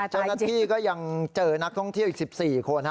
เจ้าหน้าที่ก็ยังเจอนักท่องเที่ยวอีก๑๔คน